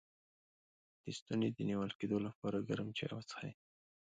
د ستوني د نیول کیدو لپاره ګرم چای وڅښئ